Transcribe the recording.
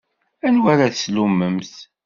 Anwa ara tlummemt?